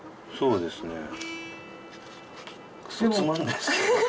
そうですね